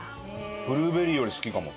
ブルーベリーより好きかも。